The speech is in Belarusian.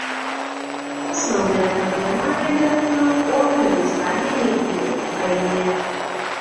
Асноўная праблема, я мяркую, у агульным стане, які ёсць у краіне.